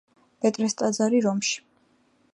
პეტრეს ტაძარი რომში.